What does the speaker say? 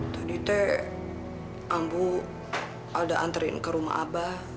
tadi t ambu alda anterin ke rumah abah